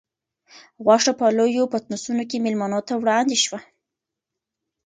غوښه په لویو پتنوسونو کې مېلمنو ته وړاندې شوه.